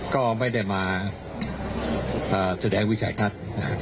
ก็ไม่ได้มาแสดงวิสัยทัศน์